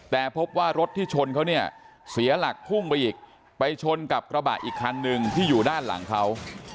แต่พบว่ารถที่ชนเขาเนี่ยเสียหลักพุ่งไปอีกไปชนกับกระบะอีกคันหนึ่งที่อยู่ด้านหลังเขา